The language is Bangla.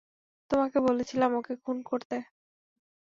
তোমাকে বলেছিলাম ওকে খুন করতে।